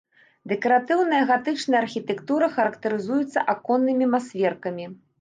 Дэкаратыўная гатычная архітэктура характарызуецца аконнымі масверкамі.